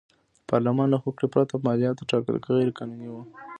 د پارلمان له هوکړې پرته مالیاتو ټاکل غیر قانوني و.